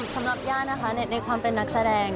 สำหรับย่านะคะในความเป็นนักแสดง